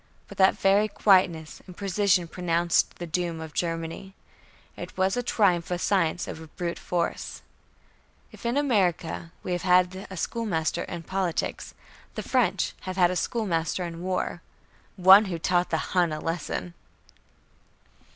But that very quietness and precision pronounced the doom of Germany. It was a triumph of science over brute force. If in America we have had a "schoolmaster in politics," the French have had a "schoolmaster in war" one who taught the Hun a lesson!